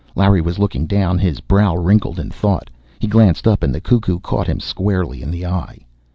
Larry was looking down, his brow wrinkled in thought. He glanced up, and the cuckoo caught him squarely in the eye.